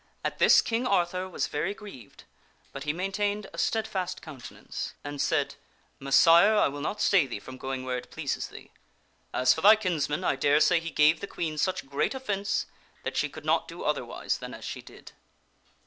At this King Arthur was very grieved, but he maintained a steadfast countenance, and said, " Messire, I will not stay thee from going where it pleases thee. As for thy kinsman, I daresay he gave the Queen such great offence that she could not do otherwise than as she did."